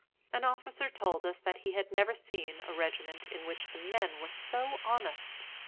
An officer told us that he had never seen a regiment in which the men were so honest.